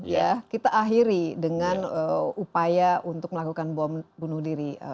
ya kita akhiri dengan upaya untuk melakukan bom bunuh diri